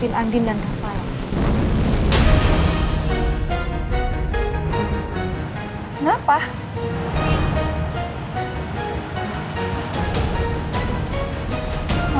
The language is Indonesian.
ya tapi kenapa sih ma